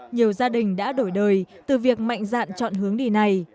nhiều gia đình đã đổi đời từ việc mạnh dạn chọn hướng đi này